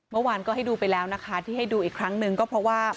เมื่อวานก็ให้ดูไปแล้วนะคะที่ให้ดูอีกครั้งหนึ่งก็เพราะว่า